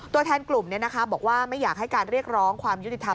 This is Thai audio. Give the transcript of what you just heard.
ตัวแทนกลุ่มบอกว่าไม่อยากให้การเรียกร้องความยุติธรรม